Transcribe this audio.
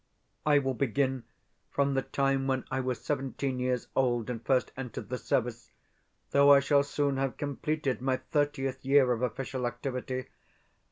I will begin from the time when I was seventeen years old and first entered the service though I shall soon have completed my thirtieth year of official activity.